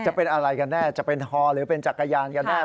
จะเป็นอะไรกันแน่จะเป็นฮอหรือเป็นจักรยานกันแน่